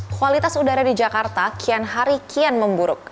kualitas udara di jakarta kian hari kian memburuk